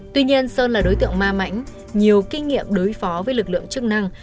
tuy nhiên sơn là đối tượng ma mãnh nhiều kinh nghiệm đối phó với lực lượng chức năng